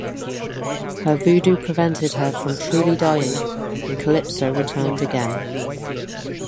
Her voodoo prevented her from truly dying and Calypso returned again.